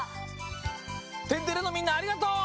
「天てれ」のみんなありがとう！